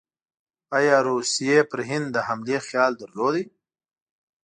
ایا روسیې پر هند د حملې خیال درلود؟